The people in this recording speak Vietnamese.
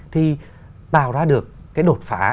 thì tạo ra được cái đột phá